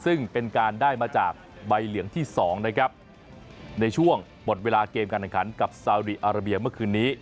ซึ่งเป็นการได้มาจากใบเหลืองที่สองนะครับในช่วงหมดเวลาเกมการแข่งขันกับซาวดีอาราเบียเมื่อคืนนี้